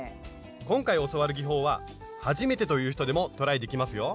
今回教わる技法は初めてという人でもトライできますよ。